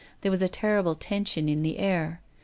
There was a terrible tension in the air.